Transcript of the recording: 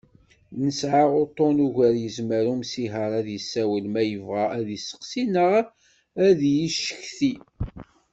Nesɛa uṭṭun uɣur yezmer umsiher ad d-yessiwel ma yebɣa ad d-yesteqsi neɣ ad icetki.